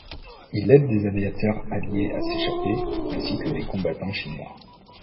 Il aide des aviateurs alliés à s'échapper, ainsi que des combattants chinois.